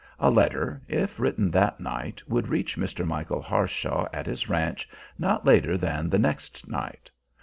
A letter, if written that night, would reach Mr. Michael Harshaw at his ranch not later than the next night.